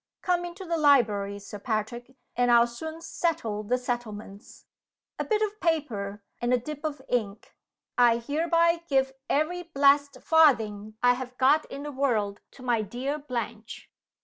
"Come into the library, Sir Patrick; and I'll soon settle the settlements! A bit of paper, and a dip of ink. 'I hereby give every blessed farthing I have got in the world to my dear Blanche.